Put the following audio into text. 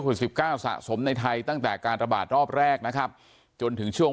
คุณสิบเก้าสะสมในไทยตั้งแต่การระบาดรอบแรกนะครับจนถึงช่วง